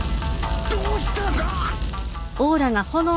どうしたんだ！？